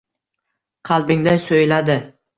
Qalbingda so’yladi